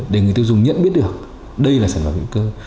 để người tiêu dùng nhận biết được đây là sản phẩm hữu cơ